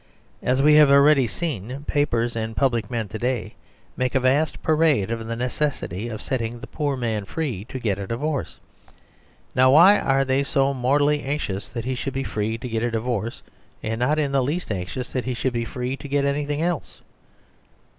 As we have already seen, papers and public men to* day make a vast parade of the necessity of set ting the poor man free to get a divorce. Now why are they so mortally anxious that he should be free to get a divorce, and not in the least anxious that he should be free to get any thing else?